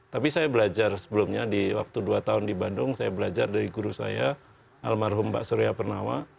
tapi saya belajar sebelumnya di waktu dua tahun di bandung saya belajar dari guru saya almarhum mbak surya pernawa